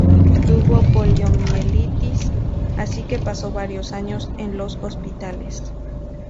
Tuvo poliomielitis, así que pasó varios años en los hospitales.